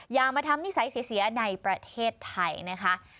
อย่ามาทำนิสัยเสียในประเทศไทยนะคะ